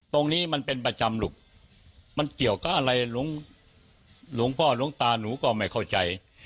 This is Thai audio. ตรงนี้มันเป็นประจำลูกมันเกี่ยวกับอะไรหลวงพ่อหลวงตาหนูก็ไม่เข้าใจ